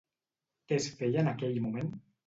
Què es feia en aquell moment?